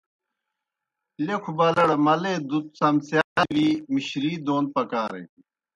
لیکھوْ بالڑ ملے دُت څَمڅِیا دہ وی مِشری دون پکارن۔